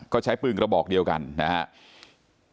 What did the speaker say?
ก็ใช้ปืนกระบอกเดียวกันนะครับ